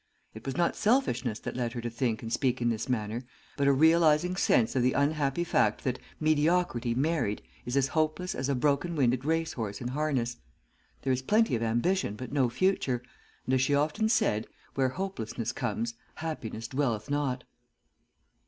It was not selfishness that led her to think and speak in this manner, but a realizing sense of the unhappy fact that mediocrity married is as hopeless as a broken winded race horse in harness. There is plenty of ambition but no future, and as she often said, 'Where hopelessness comes, happiness dwelleth not!'"